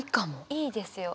いいですよ。